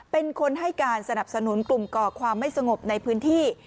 เป็นคนให้การสนับสนุนกลุ่มก่อความไม่สงบในพื้นที่